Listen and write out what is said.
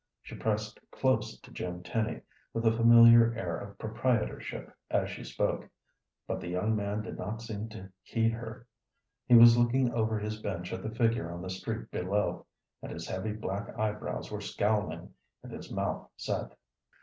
She pressed close to Jim Tenny with a familiar air of proprietorship as she spoke, but the young man did not seem to heed her. He was looking over his bench at the figure on the street below, and his heavy black eyebrows were scowling, and his mouth set.